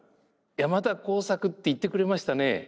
「山田耕作」って言ってくれましたね。